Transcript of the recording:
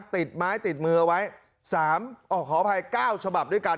ติดไม้ติดมือเอาไว้๓ขออภัย๙ฉบับด้วยกัน